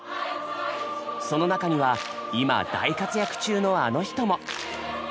その中には今大活躍中のあの人も！